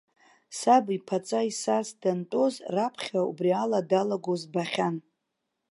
Саб иԥаҵа исарц дантәоз раԥхьа убри ала далаго збахьан.